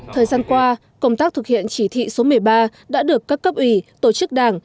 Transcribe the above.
thời gian qua công tác thực hiện chỉ thị số một mươi ba đã được các cấp ủy tổ chức đảng